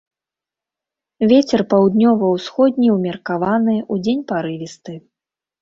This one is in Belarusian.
Вецер паўднёва-ўсходні ўмеркаваны, удзень парывісты.